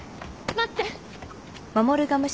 待って。